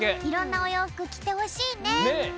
いろんなおようふくきてほしいね！ね！